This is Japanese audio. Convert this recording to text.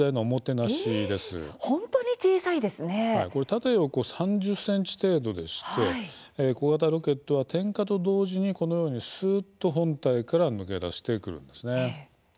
縦、横３０ｃｍ程度でして小型ロケットは点火と同時にこのように、すうっと本体から抜け出してくるんですね。